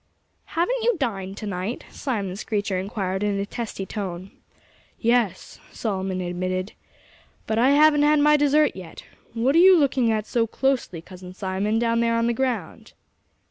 "Haven't you dined to night?" Simon Screecher inquired in a testy tone. "Yes!" Solomon admitted. "But I haven't had my dessert yet.... What are you looking at so closely, Cousin Simon, down there on the ground?"